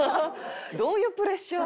どういうプレッシャー？